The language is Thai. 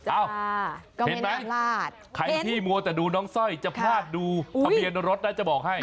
เห็นไหมใครที่มัวแต่ดูน้องสร้อยจะพลาดดูทะเบียนรถนะจะบอกให้